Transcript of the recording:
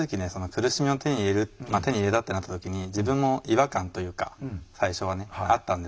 苦しみを手に入れるまあ手に入れたってなった時に自分も違和感というか最初はねあったんですけど。